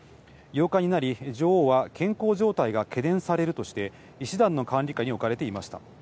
８日になり、女王は健康状態が懸念されるとして、医師団の管理下に置かれていました。